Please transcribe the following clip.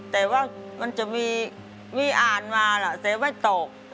แต่ว่ามันจะมีอ่านมาล่ะแต่ไม่ตก